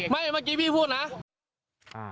เมื่อกี้พี่พูดนะ